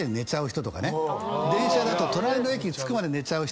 電車だと隣の駅に着くまでに寝ちゃう人。